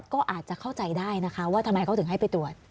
ก็อาจจะเข้าใจได้นะคะว่าทำไมเขาถึงให้ไปตรวจ